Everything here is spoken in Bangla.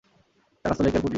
তা গাছতলাই কি, আর কুটীরই কি।